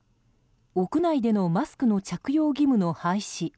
屋内でのマスクの着用義務の廃止